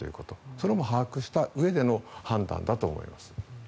それも把握したうえでの判断だと思います。